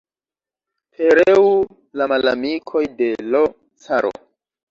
Pereu la malamikoj de l' caro!